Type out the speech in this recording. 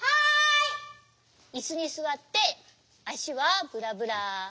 いすにすわってあしはブラブラ。